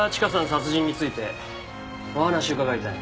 殺人についてお話を伺いたい。